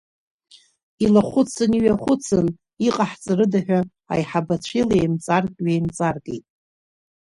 Илахәыцын, иҩахәыцын, иҟаҳҵарыда ҳәа аиҳабацәа илеимҵарк, ҩеимҵаркит.